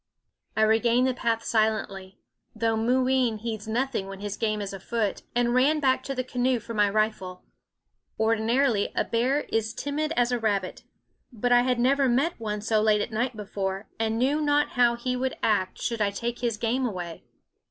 I regained the path silently though Mooween heeds nothing when his game is afoot and ran back to the canoe for my rifle. Ordinarily a bear is timid as a rab bit ; but I had never met one so late at night before, and knew not how he would act should I take his game away.